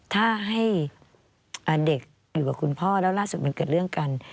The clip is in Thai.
ถ้าให้เด็กอยู่กับคุณพ่อแล้วล่าสุดมันเกิดเรื่องกัน